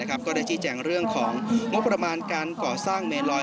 ก็ได้ชี้แจงเรื่องของงบประมาณการก่อสร้างเมนลอย